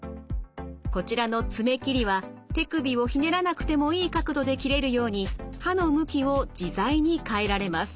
こちらの爪切りは手首をひねらなくてもいい角度で切れるように刃の向きを自在に変えられます。